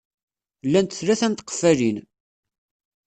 Llant tlata n tqeffalin.